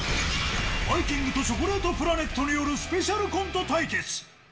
バイきんぐとチョコレートプラネットによるスペシャルコント対決。